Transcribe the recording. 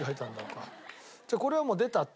じゃあこれはもう出たと。